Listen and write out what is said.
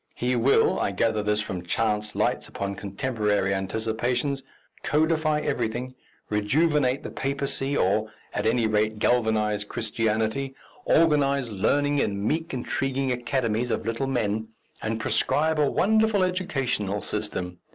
He will I gather this from chance lights upon contemporary anticipations codify everything, rejuvenate the papacy, or, at any rate, galvanize Christianity, organize learning in meek intriguing academies of little men, and prescribe a wonderful educational system.